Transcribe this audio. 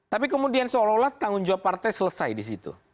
tapi kemudian seolah olah tanggung jawab partai selesai disitu